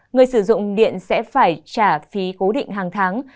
người sử dụng điện sẽ phải trả phí cố định hàng tháng